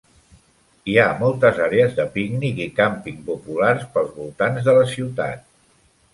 Hi ha moltes àrees de pícnic i càmping populars pels voltants de la ciutat.